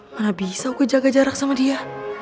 mana bisa aku jaga jarak sama dia